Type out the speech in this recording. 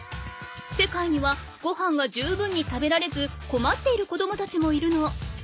世界にはごはんがじゅうぶんに食べられずこまっているこどもたちもいるの。